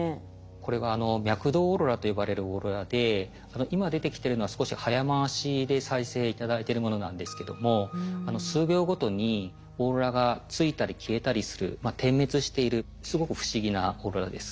これは脈動オーロラと呼ばれるオーロラで今出てきてるのは少し早回しで再生頂いてるものなんですけども数秒ごとにオーロラがついたり消えたりする点滅しているすごく不思議なオーロラです。